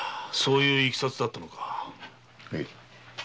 そういういきさつだったのか。